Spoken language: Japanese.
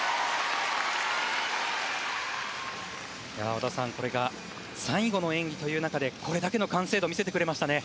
織田さん、これが最後の演技という中でこれだけの完成度を見せてくれましたね。